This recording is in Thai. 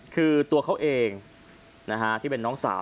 คือตัวเขาเองที่เป็นน้องสาว